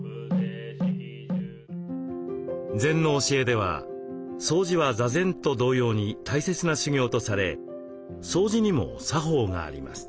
禅の教えでは掃除は座禅と同様に大切な修行とされ掃除にも作法があります。